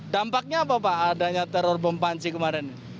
dampaknya apa pak adanya teror bom panci kemarin